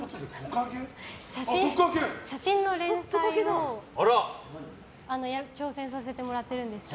写真の連載を挑戦させてもらってるんですけど。